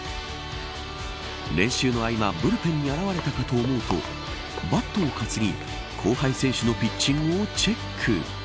練習の合間ブルペンに現れたかと思うとバットを担ぎ、後輩選手のピッチングをチェック。